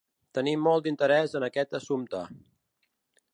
Tenim molt d’interès en aquest assumpte.